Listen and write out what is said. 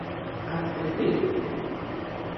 Ar tevi?